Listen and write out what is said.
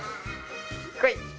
来い。